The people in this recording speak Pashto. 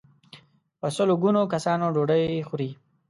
په سل ګونو کسان ډوډۍ خوري.